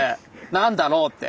何だろうって。